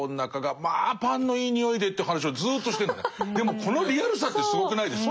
でもこのリアルさってすごくないですか。